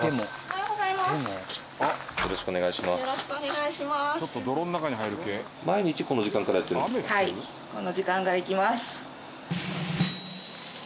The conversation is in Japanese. はいこの時間から行きます。